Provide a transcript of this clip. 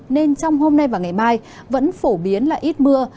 nên trong hôm nay và ngày mai vẫn phổ biến là ít mưa